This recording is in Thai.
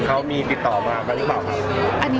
เขามีติดต่อมากันหรือเปล่าครับ